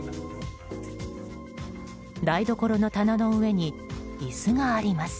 台所の棚の上に椅子があります。